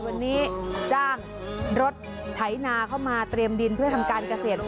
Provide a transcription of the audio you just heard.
วันนี้จ้างรถไถนาเข้ามาเตรียมดินเพื่อทำการเกษตร